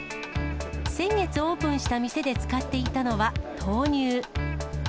先月オープンした店で使っていたのは、豆乳。